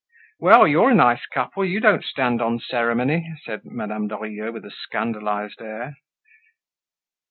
"Well! You're a nice couple; you don't stand on ceremony," said Madame Lorilleux with a scandalized air.